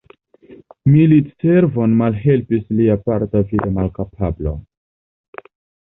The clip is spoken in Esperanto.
Militservon malhelpis lia parta vida malkapablo.